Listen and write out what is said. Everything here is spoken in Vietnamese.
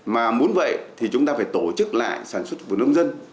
mà muốn vậy thì chúng ta phải tổ chức lại sản xuất của nông dân